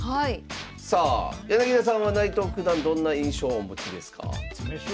さあ柳田さんは内藤九段どんな印象をお持ちですか？